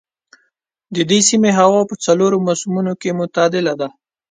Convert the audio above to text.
د دې سيمې هوا په څلورو موسمونو کې معتدله ده.